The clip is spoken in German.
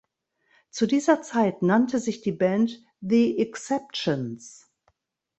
Zu dieser Zeit nannte sich die Band The Exceptions.